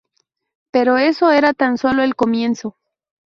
Pero eso era tan solo el comienzo.